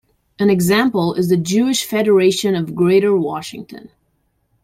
An example is the Jewish Federation of Greater Washington.